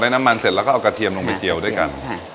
น้ำมันเสร็จแล้วก็เอากระเทียมลงไปเจียวด้วยกัน